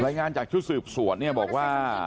รายงานจากชากติดสรรย์ของบทสวนว่า